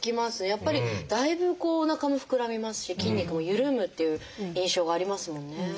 やっぱりだいぶこうおなかもふくらみますし筋肉も緩むという印象がありますもんね。